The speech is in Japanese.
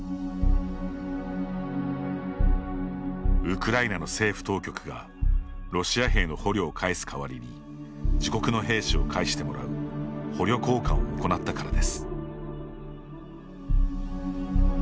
ウクライナの政府当局がロシア兵の捕虜を返す代わりに自国の兵士を返してもらう捕虜交換を行ったからです。